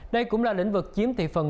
đây cũng là lĩnh vực chiếm thị phần